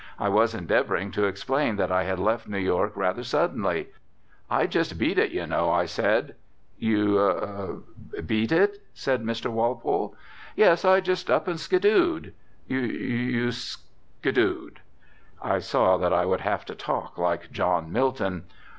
I was endeavouring to explain that I had left New York rather suddenly. "I just beat it, you know," I said. "You beat it?" said Mr. Walpole. "Yes, I just up and skidooed." "You skidooed?" I saw that I should have to talk like John Milton.